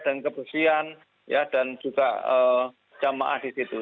dan kebersihan ya dan juga jamaah di situ